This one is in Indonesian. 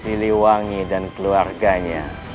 siliwangi dan keluarganya